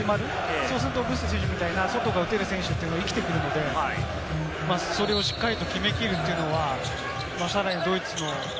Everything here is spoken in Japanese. そうするとオブスト選手みたいな外が打てる選手が生きてくるので、それをしっかり決めきるというのはさらにドイツの。